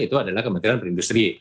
itu adalah kementerian perindustri